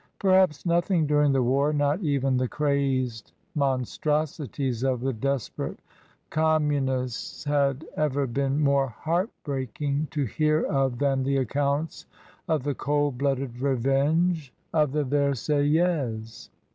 Perhaps nothing during the war, not e^e: the crazed monstrosities of the desperate Commune, has ever been more heart breaking to hear of tha: the accounts of the cold blooded revenge of the Versaillais.